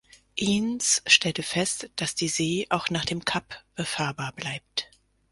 Eanes stellte fest, dass die See auch nach dem Kap befahrbar bleibt.